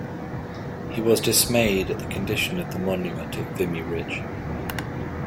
He was dismayed at the condition of the monument at Vimy Ridge.